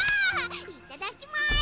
いただきます！